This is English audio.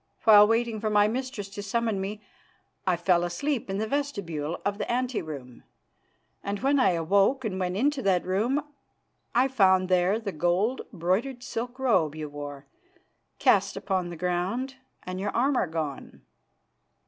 While waiting for my mistress to summon me I fell asleep in the vestibule of the ante room, and when I awoke and went into that room I found there the gold broidered silk robe you wore, cast upon the ground, and your armour gone."